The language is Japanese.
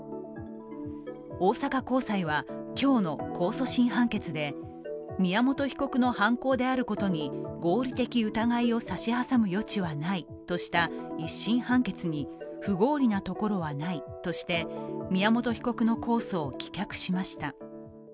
大阪高裁は、今日の控訴審判決で宮本被告の犯行であることに合理的疑いを差し挟む余地はないとした１審判決に不合理なところはないとして宮本被告の控訴を棄却しました。